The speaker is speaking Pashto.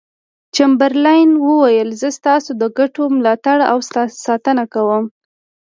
چمبرلاین وویل زه ستاسو د ګټو ملاتړ او ساتنه کوم.